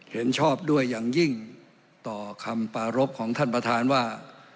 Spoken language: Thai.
เห็นชอบด้วยอย่างยิ่งต่อคำปารพของท่านประธานว่า